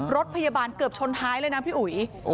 รถพยาบาลเกือบชนท้ายเลยนะพี่อุ๋ย